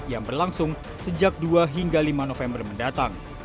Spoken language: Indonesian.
yang berlangsung sejak dua hingga lima november mendatang